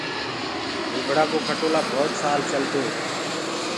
نيٚڀڙآ ڪو کٽولآ ڀوت سال چلدوئي